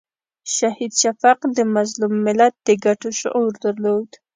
شهید شفیق د مظلوم ملت د ګټو شعور درلود.